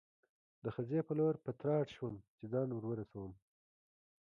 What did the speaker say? د خزې په لور په تراټ شوم، چې ځان ور ورسوم.